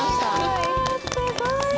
わすごい。